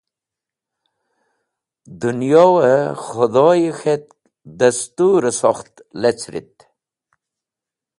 Dẽnyoẽ, Khẽdhoyẽ k̃het dẽstũrẽ sokht lecẽrit.